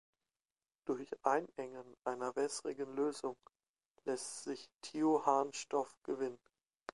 Durch Einengen einer wässrigen Lösung lässt sich Thioharnstoff gewinnen.